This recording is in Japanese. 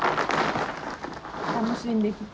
楽しんできて。